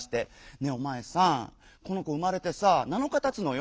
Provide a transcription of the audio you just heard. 「ねえおまえさんこの子うまれてさ七日たつのよ。